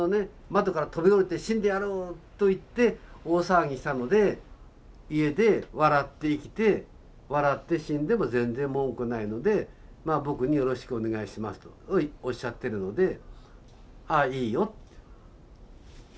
窓から飛び降りて死んでやろうと言って大騒ぎしたので家で笑って生きて笑って死んでも全然文句ないのでまあ僕によろしくお願いしますとおっしゃってるのであいいよって。